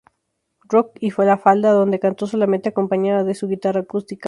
Rock y La Falda, donde cantó solamente acompañada de su guitarra acústica.